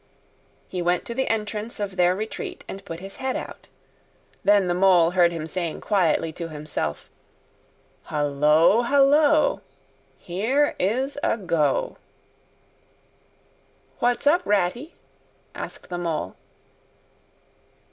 He went to the entrance of their retreat and put his head out. Then the Mole heard him saying quietly to himself, "Hullo! hullo! here—is—a—go!" "What's up, Ratty?" asked the Mole.